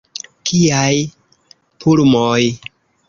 Kiaj pulmoj!